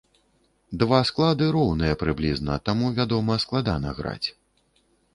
Два склады роўныя прыблізна, таму, вядома, складана граць.